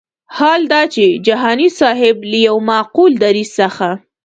حال دا چې جهاني صاحب له یو معقول دریځ څخه.